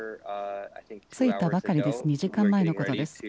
着いたばかりです、２時間前のことです。